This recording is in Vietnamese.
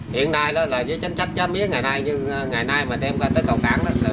hiện nay đó là với chính sách cho mía ngày nay nhưng ngày nay mà đem ra tới cầu cảng đó